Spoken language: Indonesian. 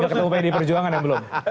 tinggal ketemu pdip perjuangan yang belum